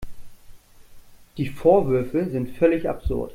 Die Vorwürfe sind völlig absurd.